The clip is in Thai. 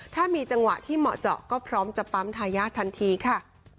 ถ้ามีจังหวะที่เหมาะเจาะก็พร้อมจะปั๊มทายาททันทีค่ะ